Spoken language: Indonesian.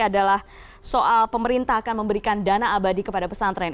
adalah soal pemerintah akan memberikan dana abadi kepada pesantren